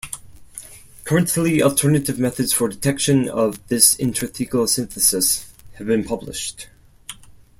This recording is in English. Currently alternative methods for detection of this intrathecal synthesis have been published.